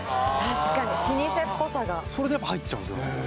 確かに老舗っぽさがそれでやっぱ入っちゃうんですよね